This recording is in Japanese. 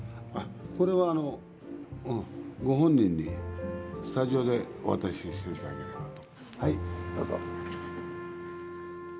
これはあの、ご本人にスタジオでお渡ししていただければと。はい、どうぞ。